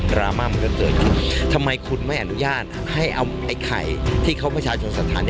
ราม่ามันก็เกิดขึ้นทำไมคุณไม่อนุญาตให้เอาไอ้ไข่ที่เขาประชาชนสถาน